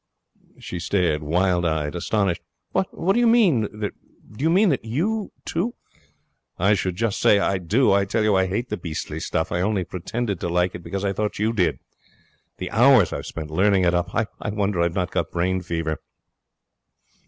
She stared, wild eyed, astonished. 'What! Do you mean that you, too ' 'I should just say I do. I tell you I hate the beastly stuff. I only pretended to like it because I thought you did. The hours I've spent learning it up! I wonder I've not got brain fever.'